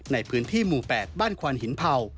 ในพื้นที่หมู่๘บ้านควานหินเผ่า